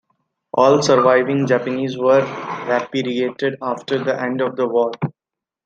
All surviving Japanese were repatriated after the end of the war.